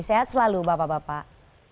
sehat selalu bapak bapak